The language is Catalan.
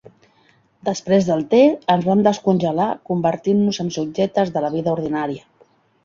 Després del te, ens vam descongelar convertint-nos en subjectes de la vida ordinària.